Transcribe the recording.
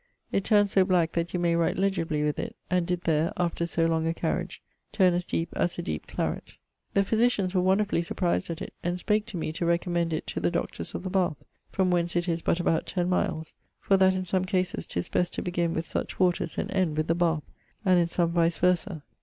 It turnes so black that you may write legibly with it, and did there, after so long a carriage, turne as deepe as a deepe claret. The physitians were wonderfully surprized at it, and spake to me to recommend it to the doctors of the Bath (from whence it is but about 10 miles) for that in some cases 'tis best to begin with such waters and end with the Bath, and in some vice versâ.